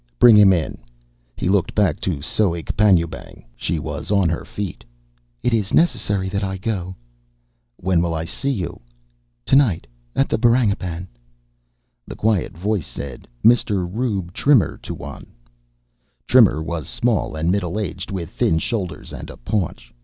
"Bring him in." He looked back to Soek Panjoebang. She was on her feet. "It is necessary that I go." "When will I see you?" "Tonight at the Barangipan." The quiet voice said, "Mr. Rube Trimmer, Tuan." Trimmer was small and middle aged, with thin shoulders and a paunch.